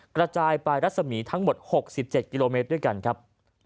กระจายไปรัศมีทั้งหมด๖๗กิโลเมตรด้วยกันครับ